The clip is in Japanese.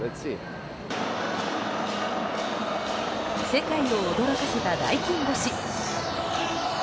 世界を驚かせた大金星。